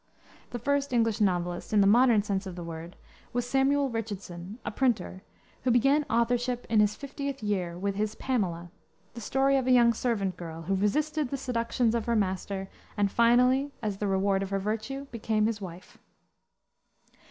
The first English novelist, in the modern sense of the word, was Samuel Richardson, a printer, who began authorship in his fiftieth year with his Pamela, the story of a young servant girl, who resisted the seductions of her master, and finally, as the reward of her virtue, became his wife.